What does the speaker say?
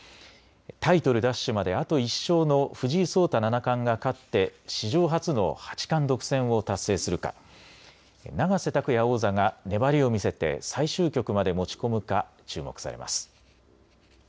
タイトル奪取まであと１勝の藤井聡太七冠が勝って史上初の八冠独占を達成するか、永瀬拓矢王座が粘りを見せて最終局まで持ち込むか注目されます。